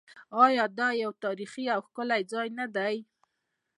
آیا دا یو تاریخي او ښکلی ځای نه دی؟